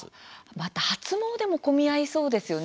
また、初詣も混み合いそうですよね。